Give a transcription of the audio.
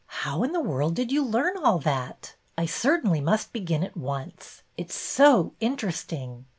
How in the world did you learn all that? I certainly must begin at once. It's so interesting.